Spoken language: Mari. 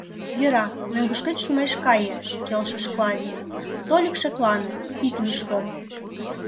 — Йӧра, мӧҥгышкет шумеш кае, — келшыш Клавий, — тольык шеклане, ит лӱшкӧ.